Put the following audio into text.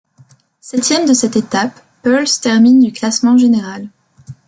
Septième de cette étape, Poels termine du classement général.